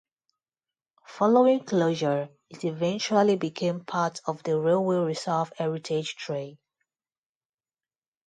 Following closure, it eventually became part of the Railway Reserve Heritage Trail.